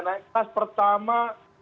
naik kas pertama